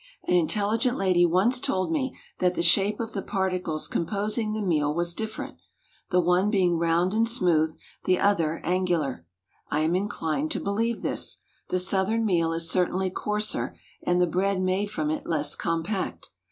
An intelligent lady once told me that the shape of the particles composing the meal was different—the one being round and smooth, the other angular. I am inclined to believe this. The Southern meal is certainly coarser, and the bread made from it less compact.